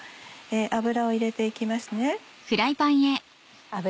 油を入れて行きますね。